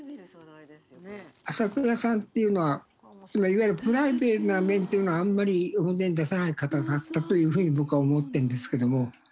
朝倉さんっていうのはいわゆるプライベートな面っていうのはあんまり表に出さない方だったというふうに僕は思ってんですけども。